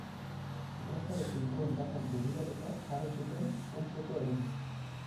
Ikastaro trinkoen datak begiratuta jarri zuten ezkontzeko eguna.